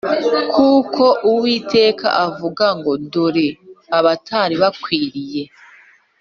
Kuko uwiteka avuga ngo dore abatari bakwiriye